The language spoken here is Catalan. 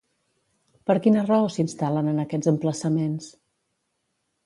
Per quina raó s'instal·len en aquests emplaçaments?